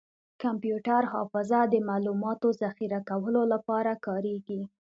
کمپیوټر حافظه د معلوماتو ذخیره کولو لپاره کارېږي.